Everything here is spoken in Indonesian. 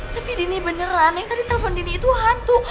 tapi dini beneran yang tadi telepon dini itu hantu